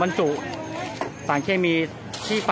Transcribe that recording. มันก็ไม่ต่างจากที่นี่นะครับ